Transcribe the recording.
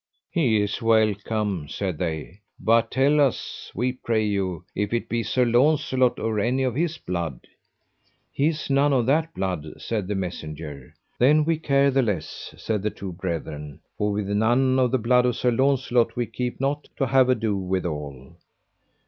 He is welcome, said they; but tell us, we pray you, if it be Sir Launcelot or any of his blood? He is none of that blood, said the messenger. Then we care the less, said the two brethren, for with none of the blood of Sir Launcelot we keep not to have ado withal.